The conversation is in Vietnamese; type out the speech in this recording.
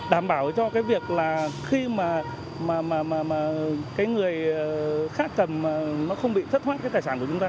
đảm bảo cho cái việc là khi mà cái người khác cầm nó không bị thất thoát cái tài sản của chúng ta